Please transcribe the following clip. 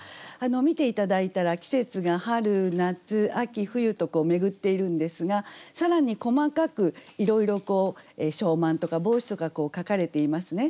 見て頂いたら季節が春夏秋冬と巡っているんですが更に細かくいろいろ小満とか芒種とか書かれていますね。